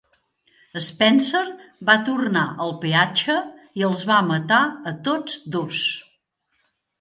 Spencer va tornar al peatge i els va matar a tots dos.